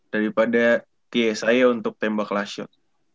daripada ksi untuk tembak last shot